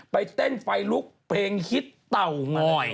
ไปเต้นไฟลุกเพลงฮิตเต่างอย